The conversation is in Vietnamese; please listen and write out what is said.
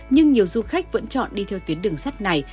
nhưng nhiều du khách vẫn chọn đi theo tuyến đường sắt này